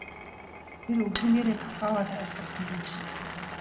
Тэр өвдгөн дээрээ толгойгоо тавиад сулхан гиншинэ.